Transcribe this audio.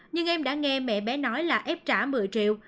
nhưng em đã nghe mẹ bé nói là ép trả một mươi triệu